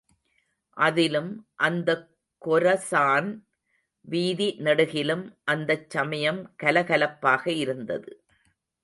அதிலும் அந்தக் கொரசான் வீதி நெடுகிலும் அந்தச் சமயம் கலகலப்பாக இருந்தது.